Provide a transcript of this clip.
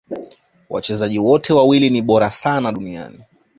Wachezaji wote wawili ni bora sana duniani